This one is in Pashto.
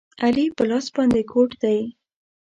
علي په لاس باندې ګوډ دی.